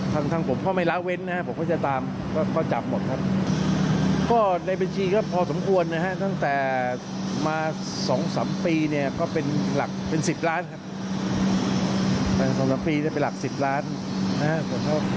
ทางผมก็ไม่ละเว้นนะครับผมก็จะตามก็จับหมดครับก็ในบัญชีก็พอสมควรนะฮะตั้งแต่มา๒๓ปีเนี่ยก็เป็นหลักเป็น๑๐ล้านครับ